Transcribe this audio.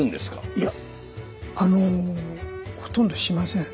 いやあのほとんどしません。